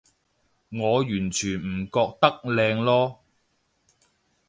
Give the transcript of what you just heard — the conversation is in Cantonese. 我完全唔覺得靚囉